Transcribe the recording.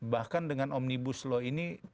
bahkan dengan omnibus law ini